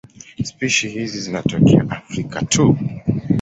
Spishi hizi zinatokea Afrika tu.